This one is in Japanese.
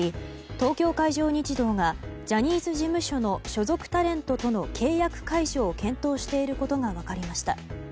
東京海上日動がジャニーズ事務所の所属タレントとの契約解除を検討していることが分かりました。